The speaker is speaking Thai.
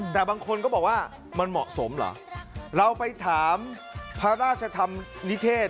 แต่บางคนก็บอกว่ามันเหมาะสมเหรอเราไปถามพระราชธรรมนิเทศ